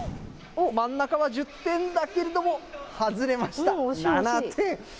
おっ、真ん中は１０点だけれども、外れました、７点。